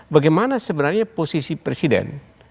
bagaimana sebenarnya posisi presiden